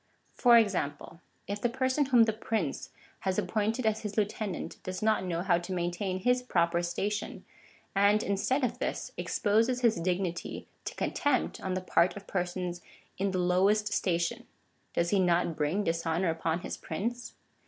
oOO For examj^le/ If the person whom the prince has appointed as his lieutenant, does not know how to maintain his proper station,^ and instead of this, exposes his dignity to contempt on the part of persons in the lowest station, does he not bring dishonour upon his prince